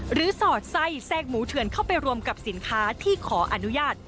สอดไส้แทรกหมูเถื่อนเข้าไปรวมกับสินค้าที่ขออนุญาต